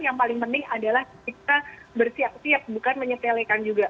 yang paling penting adalah kita bersiap siap bukan menyetelekan juga